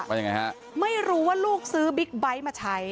ว่ายังไงฮะไม่รู้ว่าลูกซื้อบิ๊กไบท์มาใช้